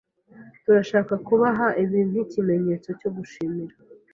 Turashaka kubaha ibi nkikimenyetso cyo gushimira.